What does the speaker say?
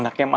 aura itu ma